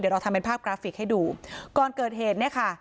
เราทำเป็นภาพกราฟิกให้ดูก่อนเกิดเหตุเนี่ยค่ะ